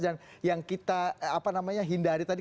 dan yang kita hindari tadi